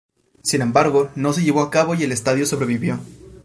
Sin embargo, no se llevó a cabo y el Estadio sobrevivió.